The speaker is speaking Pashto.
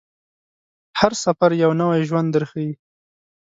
هر سفر یو نوی ژوند درښيي.